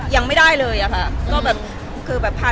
ยังไม่ได้เลยนะคะ